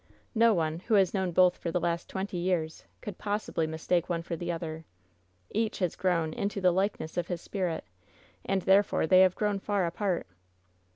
No one, who has known both for the last twenty years, could possibly mistake one for the other. Each has grown *into the likeness of his spirit,' and therefore they have grown far apart."